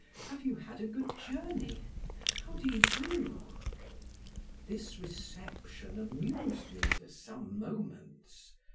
"Have you had a good journey? How do you do?" This reception amused me for some moments.